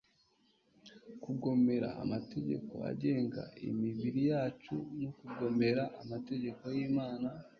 kugomera amategeko agenga imibiri yacu ni ukugomera amategeko y'imana